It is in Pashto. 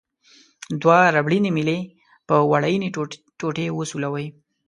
دوه ربړي میلې په وړینې ټوټې وسولوئ.